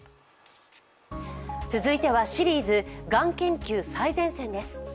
続いてはシリーズ「がん研究最前線」です。